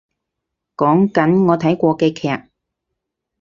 講緊我睇過嘅劇